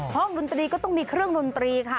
ดนตรีก็ต้องมีเครื่องดนตรีค่ะ